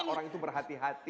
orang itu berhati hati